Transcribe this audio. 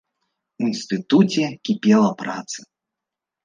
У інстытуце кіпела праца.